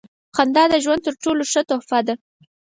• خندا د ژوند تر ټولو ښه تحفه ده.